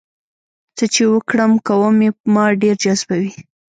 څه چې وکړم کوم یې ما ډېر جذبوي؟